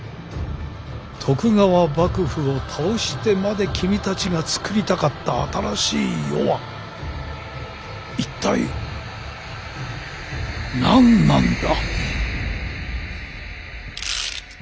徳川幕府を倒してまで君たちが作りたかった新しい世は一体何なんだ？